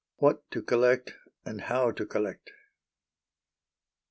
What to Collect and How to Collect.